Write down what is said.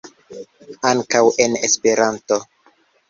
Ankaŭ en Esperanto.